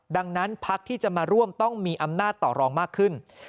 ดังนั้นพักที่จะมาร่วมต้องมีอำนาจต่อรองมากขึ้น